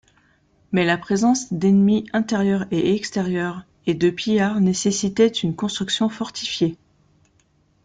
Mais la présence d'ennemis intérieurs et extérieurs et de pillards nécessitait une construction fortifiée.